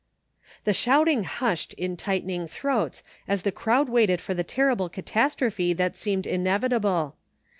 The shouting hushed in tightening throats as the crowd waited for the terrible catastrophe that seemed inevitable.